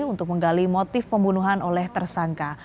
untuk menggali motif pembunuhan oleh tersangka